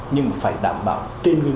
nhưng phải đảm bảo trên ghi nhau